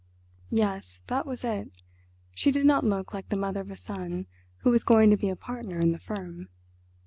Yes, that was it, she did not look like the mother of a son who was going to be a partner in the firm.